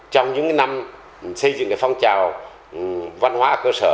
trong những năm xây dựng phong trào văn hóa cơ sở